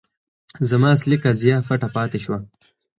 زما اصلي قضیه پټه پاتې شوه.